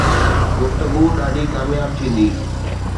گفتگو ڏاڍي ڪامياب ٿيندي